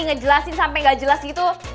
ngejelasin sampai gak jelas gitu